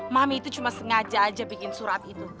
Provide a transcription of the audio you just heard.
mami itu cuma sengaja aja bikin surat itu